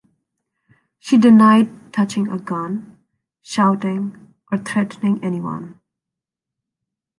She denied touching a gun, shouting, or threatening anyone.